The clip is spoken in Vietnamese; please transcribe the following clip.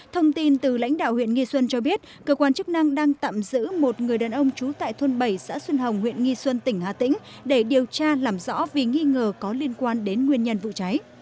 thông tin từ lãnh đạo huyện nghi xuân cho biết cơ quan chức năng đang tạm giữ một người đàn ông trú tại thôn bảy xã xuân hồng huyện nghi xuân tỉnh hà tĩnh để điều tra làm rõ vì nghi ngờ có liên quan đến nguyên nhân vụ cháy